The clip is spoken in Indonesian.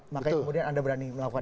maka kemudian anda berani melakukan itu